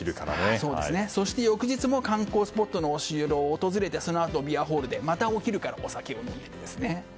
そして翌日も観光スポットのお城を訪れてそのあと、ビアホールでまたお昼からお酒を飲んでいるんですね。